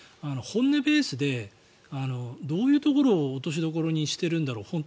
本音ベースでどういうところを落としどころにしているんだろう